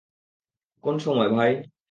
কোন সময়, ভাই?